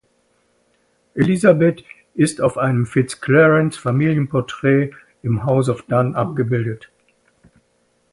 Elizabeth ist auf einem Fitzclarence-Familienporträt im House of Dun abgebildet.